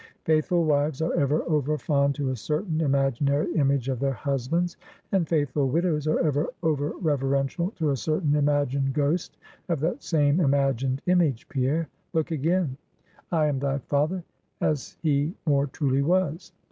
Faithful wives are ever over fond to a certain imaginary image of their husbands; and faithful widows are ever over reverential to a certain imagined ghost of that same imagined image, Pierre. Look again, I am thy father as he more truly was.